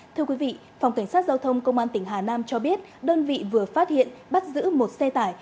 thưa quý vị phòng cảnh sát giao thông công an tỉnh hà nam cho biết đơn vị vừa phát hiện bắt giữ một xe tải